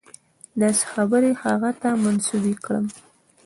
داسې خبرې هغه ته منسوبې کړم.